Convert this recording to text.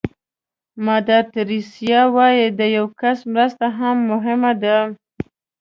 مادر تریسیا وایي د یو کس مرسته هم مهمه ده.